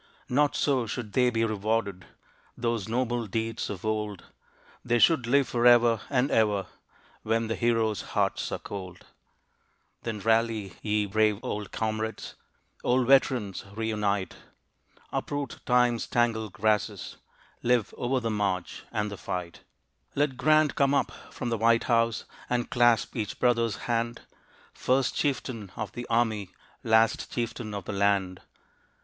Not so should they be rewarded, Those noble deeds of old; They should live forever and ever, When the heroes' hearts are cold. Then rally, ye brave old comrades, Old veterans, re unite! Uproot Time's tangled grasses Live over the march, and the fight. Let Grant come up from the White House, And clasp each brother's hand, First chieftain of the army, Last chieftain of the land.